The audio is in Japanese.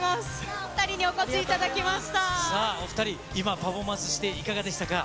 お２人にお越しいただきましさあ、お２人、今パフォーマンスして、いかがでしたか。